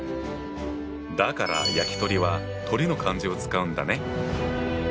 だから焼き鳥は鳥の漢字を使うんだね。